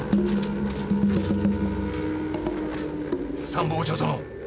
参謀長殿。